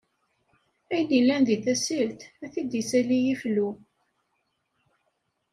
Ayen illan di tasilt, ad t-id issali iflu.